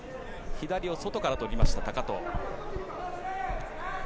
左を外から取りました高藤。